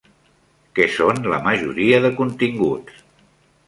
Què són la majoria de continguts?